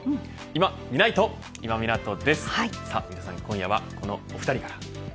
今夜はこのお２人から。